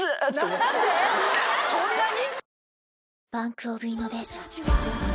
そんなに？